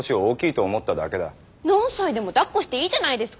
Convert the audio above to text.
何歳でもだっこしていいじゃないですか。